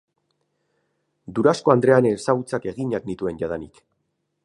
Durasko andrearen ezagutzak eginak nituen jadanik.